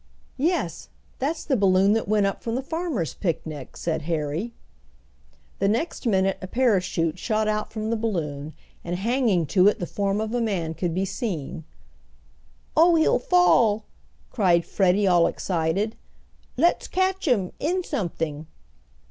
"Yes, that's the balloon that went up from the farmers' picnic," said Harry. The next minute a parachute shot out from the balloon; and hanging to it the form of a man could be seen. "Oh, he'll fall!" cried Freddie, all excited. "Let's catch him in something!"